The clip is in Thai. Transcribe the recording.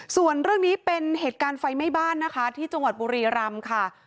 ส่วนเรื่องนี้เป็นเหตุการณ์ไฟไหม้บ้านนะคะที่จังหวัดบุรีรำค่ะ